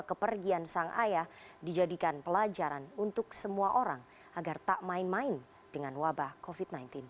kepergian sang ayah dijadikan pelajaran untuk semua orang agar tak main main dengan wabah covid sembilan belas